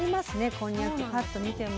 こんにゃくぱっと見ても。